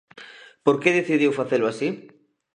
Por que decidiu facelo así?